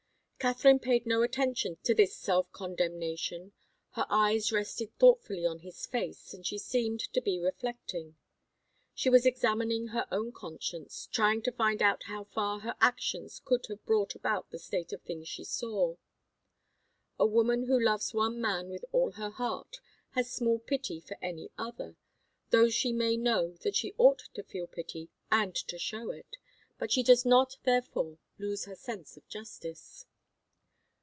Katharine paid no attention to this self condemnation. Her eyes rested thoughtfully on his face, and she seemed to be reflecting. She was examining her own conscience, trying to find out how far her actions could have brought about the state of things she saw. A woman who loves one man with all her heart has small pity for any other, though she may know that she ought to feel pity and to show it. But she does not therefore lose her sense of justice.